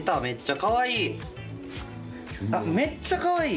あっめっちゃかわいい！